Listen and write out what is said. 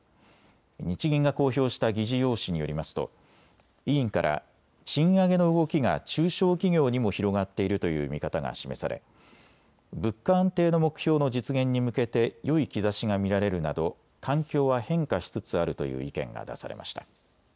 日銀が公表した議事要旨によりますと委員から賃上げの動きが中小企業にも広がっているという見方が示され物価安定の目標の実現に向けてよい兆しが見られるなど環境は変化しつつあるという意見が出されました。